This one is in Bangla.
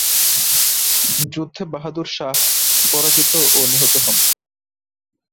যুদ্ধে বাহাদুর শাহ পরাজিত ও নিহত হন।